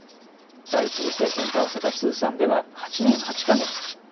第１次政権と合わせた通算では８年８か月。